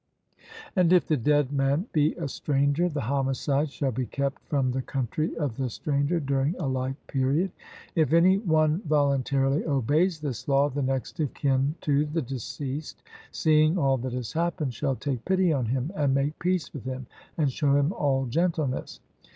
And if the dead man be a stranger, the homicide shall be kept from the country of the stranger during a like period. If any one voluntarily obeys this law, the next of kin to the deceased, seeing all that has happened, shall take pity on him, and make peace with him, and show him all gentleness.